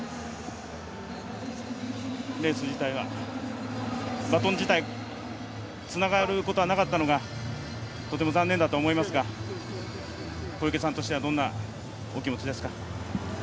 レース自体は、バトン自体はつながることがなかったのがとても残念だと思いますが小池さんとしてはどんなお気持ちですか？